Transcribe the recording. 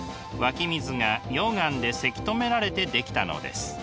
湧き水が溶岩でせき止められてできたのです。